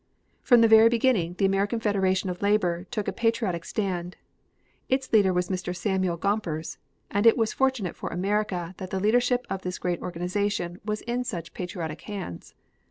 From the very beginning, the American Federation of Labor took a patriotic stand. Its leader was Mr. Samuel Gompers, and it was fortunate for America that the leadership of this great organization was in such patriotic hands.